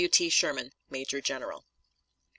W. T. SHERMAN, Major General.